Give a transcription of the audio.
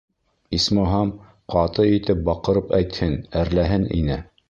Исмаһам, ҡаты итеп, баҡырып әйтһен, әрләһен ине.